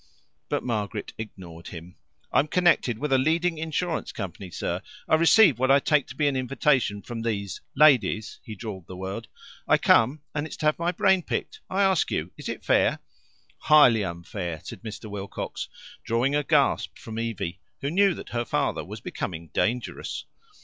But Margaret ignored him. "I'm connected with a leading insurance company, sir. I receive what I take to be an invitation from these ladies" (he drawled the word). "I come, and it's to have my brain picked. I ask you, is it fair?" "Highly unfair," said Mr. Wilcox, drawing a gasp from Evie, who knew that her father was becoming dangerous.